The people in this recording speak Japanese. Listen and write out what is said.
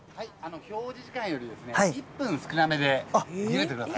表示時間よりも１分少なめでゆでてください。